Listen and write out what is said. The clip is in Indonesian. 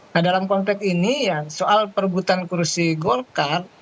nah dalam konteks ini ya soal perebutan kursi golkar